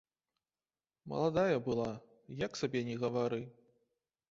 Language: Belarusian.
Маладая была, як сабе ні гавары.